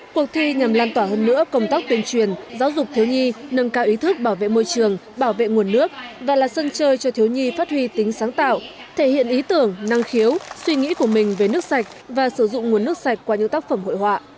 cuộc thi nhằm lan tỏa hơn nữa công tác tuyên truyền giáo dục thiếu nhi nâng cao ý thức bảo vệ môi trường bảo vệ nguồn nước và là sân chơi cho thiếu nhi phát huy tính sáng tạo thể hiện ý tưởng năng khiếu suy nghĩ của mình về nước sạch và sử dụng nguồn nước sạch qua những tác phẩm hội họa